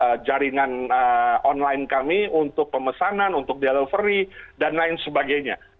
untuk jaringan online kami untuk pemesanan untuk delivery dan lain sebagainya